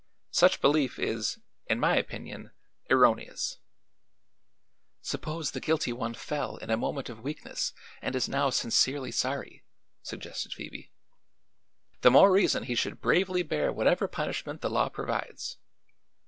Such belief is, in my opinion, erroneous." "Suppose the guilty one fell in a moment of weakness and is now sincerely sorry?" suggested Phoebe. "The more reason he should bravely bear whatever punishment the law provides.